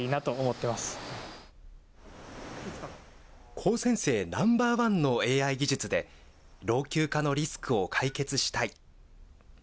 高専生ナンバーワンのＡＩ技術で、老朽化のリスクを解決したい。